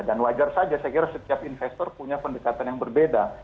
dan wajar saja saya kira setiap investor punya pendekatan yang berbeda